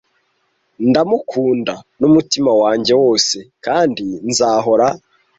Ndamukunda n'umutima wanjye wose kandi nzahora.